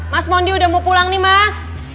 mas mondi udah mau pulang nih mas